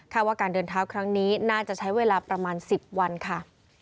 ว่าการเดินเท้าครั้งนี้น่าจะใช้เวลาประมาณ๑๐วันค่ะ